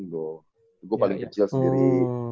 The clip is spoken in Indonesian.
gue paling kecil sendiri